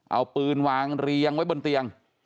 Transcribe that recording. เอาปืนวางเรียงไว้บนเตียง